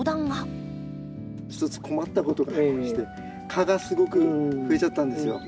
一つ困ったことがありまして蚊がすごくふえちゃったんですよ。